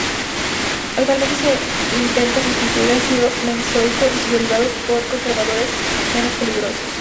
Actualmente se intenta sustituir el ácido benzoico y sus derivados por conservantes menos peligrosos.